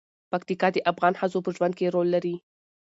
پکتیکا د افغان ښځو په ژوند کې رول لري.